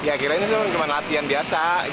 akhirnya cuma latihan biasa